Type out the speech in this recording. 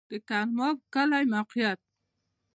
د ګرماب کلی موقعیت